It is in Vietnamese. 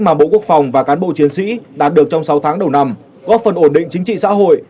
mà bộ quốc phòng và cán bộ chiến sĩ đạt được trong sáu tháng đầu năm góp phần ổn định chính trị xã hội